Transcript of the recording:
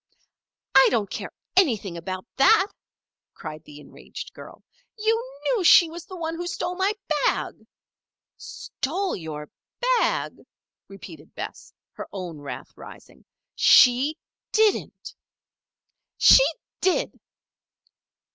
"I don't care anything about that!" cried the enraged girl. "You knew she was the one who stole my bag " "Stole your bag?" repeated Bess, her own wrath rising. "She didn't!" "She did!"